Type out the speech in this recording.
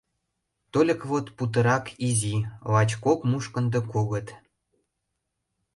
Тольык вот путырак изи: лач кок мушкындо кугыт.